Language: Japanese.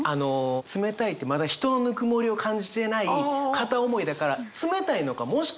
「冷たい」ってまだ人のぬくもりを感じていない片思いだから冷たいのかもしくは温度がないのか。